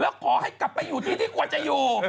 แล้วขอให้กลับไปอยู่ที่ที่ควรจะอยู่